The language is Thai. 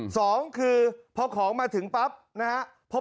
สองคือพอของมาถึงปั๊บนะฮะ